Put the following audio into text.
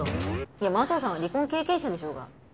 いや麻藤さんは離婚経験者でしょうが。